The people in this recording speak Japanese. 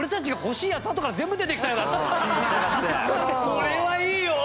これはいいよ！